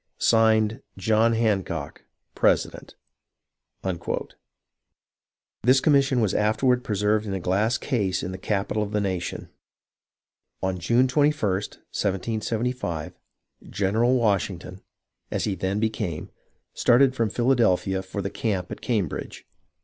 (Signed) John Hancock, President. This commission was afterward preserved in a glass case in the capital of the nation. On June 21st, 1775, General Washington, as he then became, started from Philadelphia for the camp at Cam bridge.